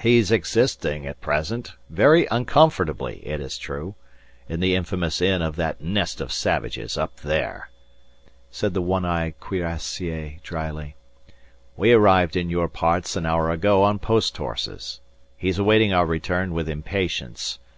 "He's existing at present, very uncomfortably it is true, in the infamous inn of that nest of savages up there," said the one eyed cuirassier drily. "We arrived in your parts an hour ago on post horses. He's awaiting our return with impatience.